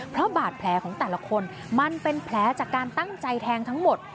เพราะบาดแผลของแต่ละคนมันเป็นแผลจากการตั้งใจแทงทั้งหมด